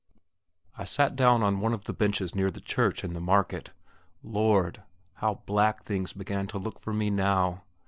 I sat down on one of the benches near the church in the market. Lord! how black things began to look for me now!